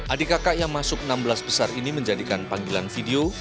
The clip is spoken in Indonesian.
adik kakak yang masuk enam belas besar ini menjadikan panggilan video